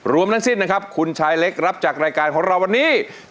รวมทั้งสิ้นนะครับคุณชายเล็กรับจากรายการของเราวันนี้